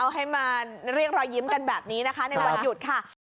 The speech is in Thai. ให้มาเรียกรอยยิ้มกันแบบนี้นะคะในวันหยุดค่ะ